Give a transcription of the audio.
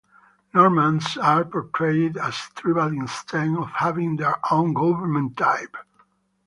Nomads are portrayed as tribal instead of having their own government type.